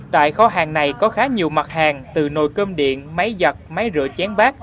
tại kho hàng này có khá nhiều mặt hàng từ nồi cơm điện máy giặt máy rửa chén bát